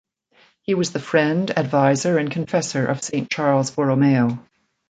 He was the friend, adviser, and confessor of Saint Charles Borromeo.